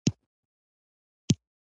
الوتکه د طب پوهنې لپاره هم کارېږي.